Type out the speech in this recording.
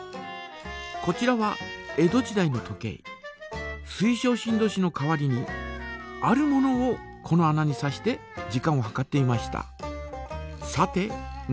こちらは水晶振動子の代わりにあるものをこの穴に挿して時間を計っていました。